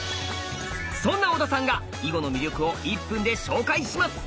そんな小田さんが囲碁の魅力を１分で紹介します！